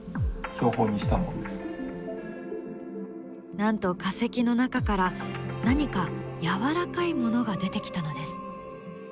なんと化石の中から何かやわらかいものが出てきたのです。